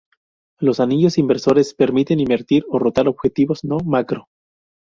Los anillos inversores permiten invertir o rotar objetivos no macro.